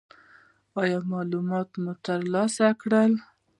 ایا معلومات مو ترلاسه کړل؟